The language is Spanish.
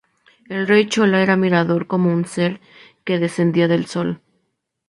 El rey Chola era mirado como un ser que descendía del Sol.